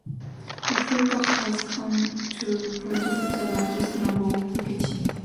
Africa has come to produce the largest number of vocations.